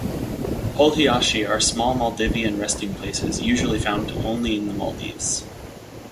Holhiashi are small Maldivian resting places usually found only in the Maldives.